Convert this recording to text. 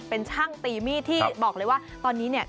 เป็นช่างตีมีดที่บอกเลยว่าตอนนี้เนี่ย